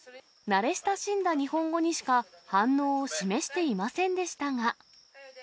慣れ親しんだ日本語にしか、反応を示していませんでしたが。